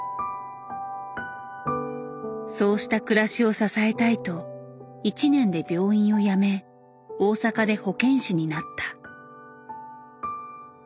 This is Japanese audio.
そうした暮らしを支えたいと１年で病院を辞め大阪で保健師になった。